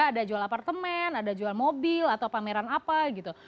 ada jual apartemen ada jual mobil atau pameran apa gitu